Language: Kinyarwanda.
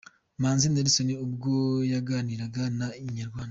Manzi Nelson ubwo yaganiraga na Inyarwanda.